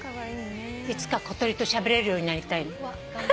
いつか小鳥としゃべれるようになりたい。